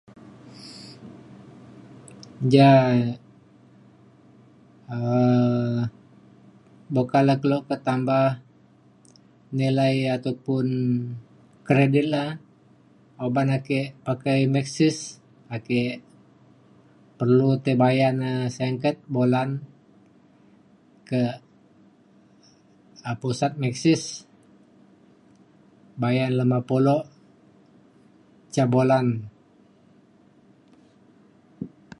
ja um buk le ke kak ke tambah nilai ataupun kredit le uban ake pakai Maxis ake perlu tai bayan e singget bulan ke pusat Maxis bayan lema pulok ca bulan